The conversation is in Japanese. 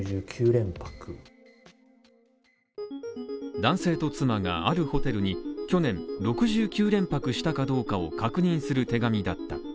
男性と妻があるホテルに去年６９連泊したかどうかを確認する手紙だった。